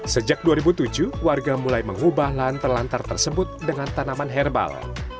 sejak dua ribu tujuh warga mulai mengubah lahan terlantar tersebut dengan tanaman herbal